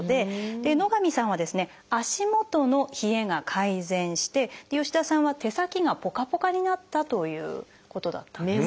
野上さんは足元の冷えが改善して吉田さんは手先がポカポカになったということだったんですね。